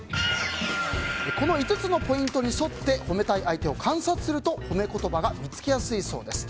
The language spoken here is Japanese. この５つのポイントに沿って褒めたい相手を観察すると褒め言葉が見つけやすいそうです。